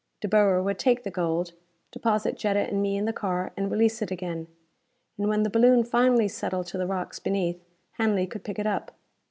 De Boer would take the gold, deposit Jetta and me in the car, and release it again. And when the balloon finally settled to the rocks beneath, Hanley could pick it up.